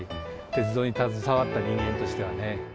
鉄道に携わった人間としてはね。